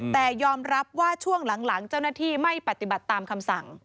แต่ยอมรับว่าช่วงหลังเจ้าหน้าที่ไม่ปฏิบัติตามคำสั่ง